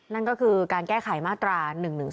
นั่นก็คือการแก้ไขมาตรา๑๑๒